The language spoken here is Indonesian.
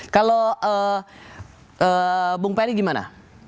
kalau bung peri gimana